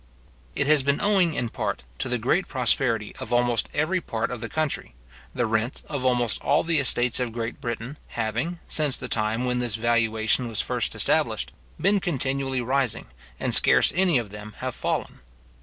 It has been owing in part, to the great prosperity of almost every part of the country, the rents of almost all the estates of Great Britain having, since the time when this valuation was first established, been continually rising, and scarce any of them having fallen.